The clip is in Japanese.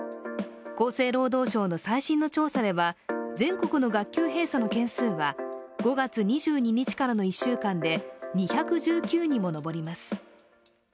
厚生労働省の最新の調査では全国の学級閉鎖の件数は５月２２日からの１週間で２１９にも上ります。